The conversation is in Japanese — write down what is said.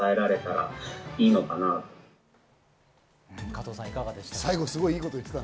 加藤さん、いかがですか？